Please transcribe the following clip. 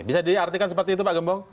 bisa diartikan seperti itu pak gembong